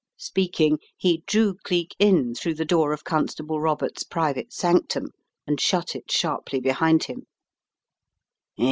Speaking, he drew Cleek in through the door of Constable Roberts' private sanctum and shut it sharply behind him.